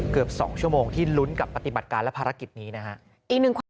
เกือบ๒ชั่วโมงที่ลุ้นกับปฏิบัติการและภารกิจนี้นะฮะ